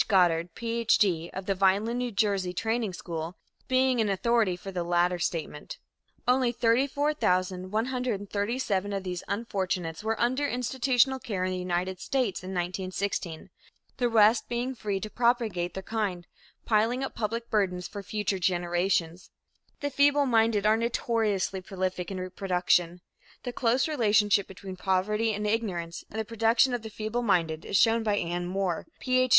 Goddard, Ph. D., of the Vineland, N. J., Training School, being authority for the latter statement. Only 34,137 of these unfortunates were under institutional care in the United States in 1916, the rest being free to propagate their kind piling up public burdens for future generations. The feebleminded are notoriously prolific in reproduction. The close relationship between poverty and ignorance and the production of feebleminded is shown by Anne Moore, Ph.